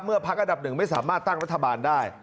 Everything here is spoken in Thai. เมื่อภักดิ์อันดับ๑ไม่สามารถตั้งรัฐบาลได้